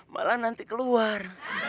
malah nanti keluar